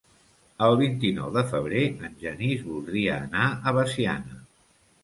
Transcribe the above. El vint-i-nou de febrer en Genís voldria anar a Veciana.